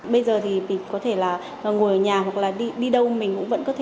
bây giờ thì mình có thể là ngồi ở nhà hoặc là đi đâu mình cũng vẫn có thể